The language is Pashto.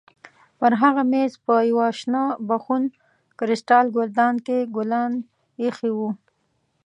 پر هغه مېز په یوه شنه بخون کریسټال ګلدان کې ګلان ایښي وو.